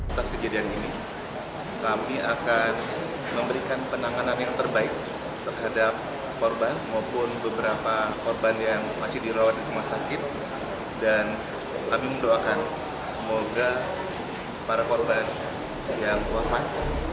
atas kejadian ini kami akan memberikan penanganan yang terbaik terhadap korban maupun beberapa korban yang masih dirawat di rumah sakit dan kami mendoakan semoga para korban yang korban